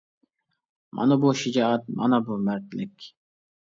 مانا بۇ شىجائەت، مانا بۇ مەردلىك.